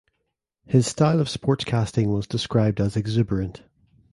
His style of sportscasting was described as exuberant.